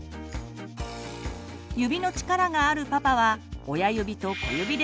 指の力があるパパは親指と小指でつまみます。